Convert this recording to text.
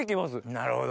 なるほど！